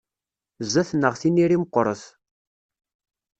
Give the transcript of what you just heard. Zzat-neɣ tiniri meqqret.